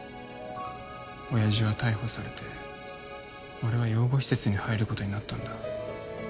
親父は逮捕されて俺は養護施設に入ることになったんだ。